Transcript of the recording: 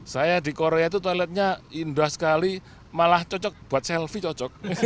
saya di korea itu toiletnya indah sekali malah cocok buat selfie cocok